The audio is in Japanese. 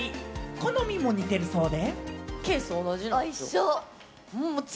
好みも似てるそうで。